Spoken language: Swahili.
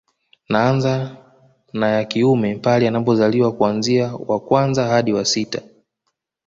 Naanza na ya kiume pale anapozaliwa kuanzia wa kwanza hadi wa wa sita